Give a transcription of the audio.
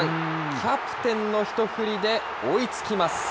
キャプテンの一振りで追いつきます。